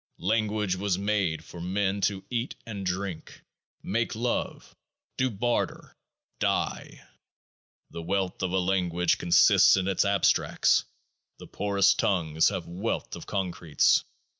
Language was made for men to eat and drink, make love, do barter, die. The wealth of a language consists in its Abstracts ; the poorest tongues have wealth of Concretes.